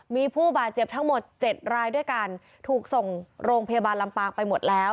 มีผู้บาดเจ็บทั้งหมด๗รายด้วยกันถูกส่งโรงพยาบาลลำปางไปหมดแล้ว